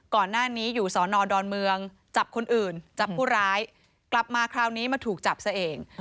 ก่อนหน้านี้อยู่สอนอดอนเมืองจับคนอื่นจับผู้ร้ายกลับมาคราวนี้มาถูกจับซะเอง